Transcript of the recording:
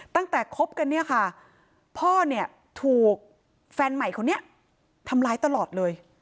ตั้งแต่ครบกันพ่อถูกแฟนใหม่ทำร้ายตลอดเลย